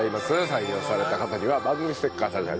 採用された方には番組ステッカー差し上げます。